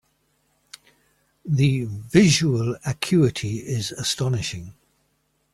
The visual acuity is astonishing.